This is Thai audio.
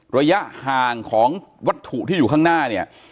ระยะห่างของวัตถุที่อยู่ข้างหน้าเนี่ย